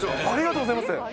ありがとうございます。